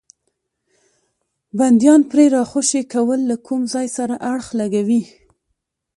بندیان پرې راخوشي کول له کوم ځای سره اړخ لګوي.